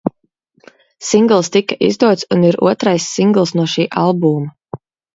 Singls tika izdots un ir otrais singls no šī albuma.